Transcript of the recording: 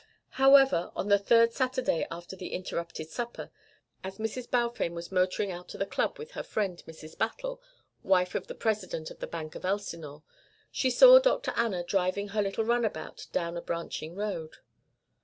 However, on the third Saturday after the interrupted supper, as Mrs. Balfame was motoring out to the Club with her friend, Mrs. Battle, wife of the President of the Bank of Elsinore, she saw Dr. Anna driving her little runabout down a branching road.